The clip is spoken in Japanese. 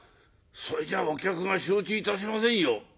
それじゃあお客が承知いたしませんよ」。